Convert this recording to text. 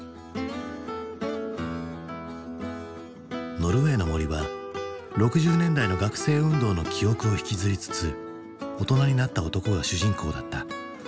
「ノルウェイの森」は６０年代の学生運動の記憶を引きずりつつ大人になった男が主人公だった。